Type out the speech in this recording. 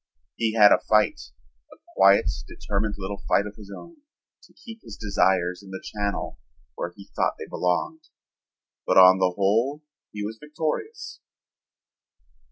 He had a fight, a quiet determined little fight of his own, to keep his desires in the channel where he thought they belonged, but on the whole he was victorious.